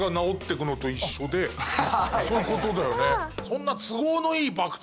そういうことだよね。